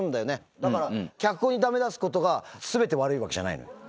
だから脚本にダメ出すことがすべて悪いわけじゃないのよ。